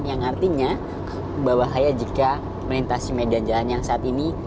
yang artinya bahaya jika melintasi median jalan yang saat ini